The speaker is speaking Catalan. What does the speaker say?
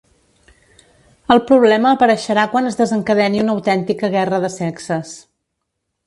El problema apareixerà quan es desencadeni una autèntica guerra de sexes.